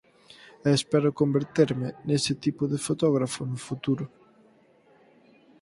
E espero converterme nese tipo de fotógrafo no futuro.